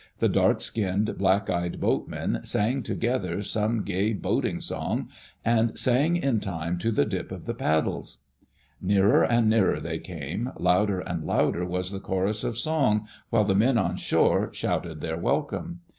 The dark skinned, black eyed boatmen sang togedier some gay boat ing song, and sang in time to the dip of the paddles. Nearer and nearer they came, louder and louder was die chorus of song, while the men on shore shouted their welcome.